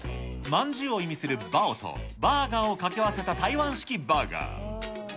まんじゅうを意味するバオと、バーガーを掛け合わせた台湾式バーガー。